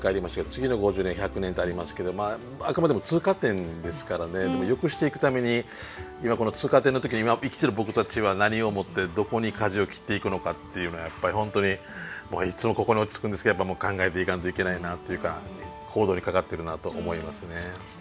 次の５０年１００年とありますけどあくまでも通過点ですからねよくしていくために今この通過点の時に今生きてる僕たちは何をもってどこにかじを切っていくのかっていうのはやっぱり本当にいつもここに落ち着くんですけど考えていかんといけないなっていうかかかってるなと思いますね。